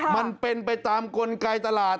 มันเป็นไปตามกลไกตลาด